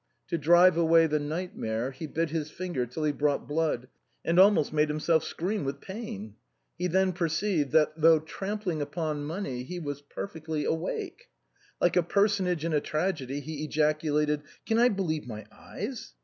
To drive away the night mare, he bit his finger till he brought blood, and almost made himself scream with pain. He then perceived that, though trampling upon money, he was perfectly awake. Like a personage in a tragedy, he ejaculated :" Can I believe my eyes